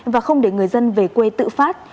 và không để người dân về quê tự phát